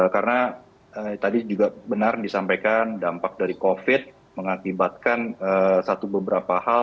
karena tadi juga benar yang disampaikan dampak dari covid mengakibatkan satu beberapa hal